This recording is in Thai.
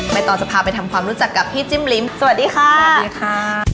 ตอนจะพาไปทำความรู้จักกับพี่จิ้มลิ้มสวัสดีค่ะสวัสดีค่ะ